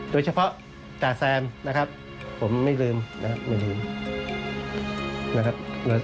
โดยเฉพาะจ่าแซมนะครับผมไม่ลืมนะครับ